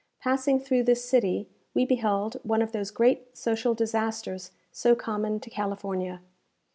Passing through this city, we beheld one of those great social disasters so common to California.